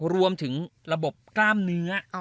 รวมถึงระบบกล้ามเนื้อ